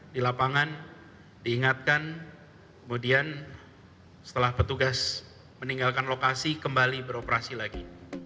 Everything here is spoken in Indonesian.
di lapangan diingatkan kemudian setelah petugas meninggalkan lokasi kembali beroperasi lagi